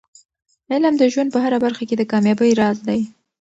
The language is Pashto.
علم د ژوند په هره برخه کې د کامیابۍ راز دی.